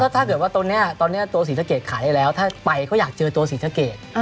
แต่ตอนนี้ตัวสีสักเกดขายได้แล้วถ้าไปเขาอยากเจอตัวสีสักเกด